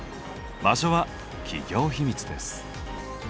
場所は企業秘密です。